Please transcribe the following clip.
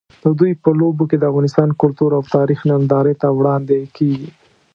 د دوی په لوبو کې د افغانستان کلتور او تاریخ نندارې ته وړاندې کېږي.